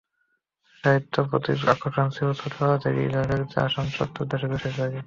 সাহিত্যের প্রতি আকর্ষণ ছিল ছোটবেলা থেকেই, লেখালেখিতে আসেন সত্তর দশকের শেষভাগে।